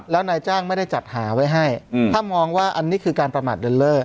แล้วนายจ้างไม่ได้จัดหาไว้ให้ถ้ามองว่าอันนี้คือการประมาทเดินเลิศ